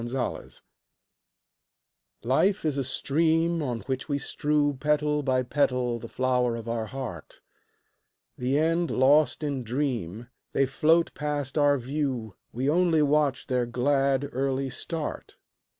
Petals Life is a stream On which we strew Petal by petal the flower of our heart; The end lost in dream, They float past our view, We only watch their glad, early start.